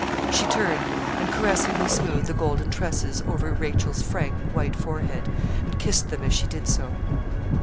She turned, and caressingly smoothed the golden tresses over Rachel's frank, white forehead, and kissed them as she did so.